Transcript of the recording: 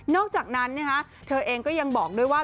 อกจากนั้นเธอเองก็ยังบอกด้วยว่า